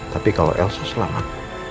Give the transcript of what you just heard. tapi kalau elsa selamat